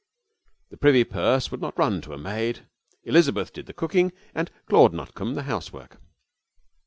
The privy purse would not run to a maid. Elizabeth did the cooking and Claude Nutcombe the housework.